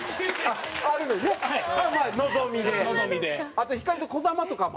あとひかりとこだまとかも。